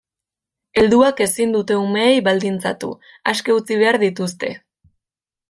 Helduak ezin dute umeei baldintzatu, aske utzi behar dituzte.